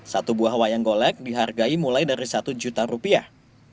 satu buah wayang golek dihargai mulai dari satu juta rupiah